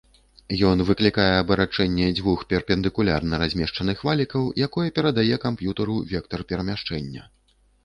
Ён выклікае абарачэнне дзвюх перпендыкулярна размешчаных валікаў, якое перадае камп'ютару вектар перамяшчэння.